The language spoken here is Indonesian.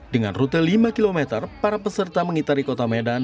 dengan rute lima km para peserta mengitari kota medan